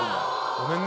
ごめんね。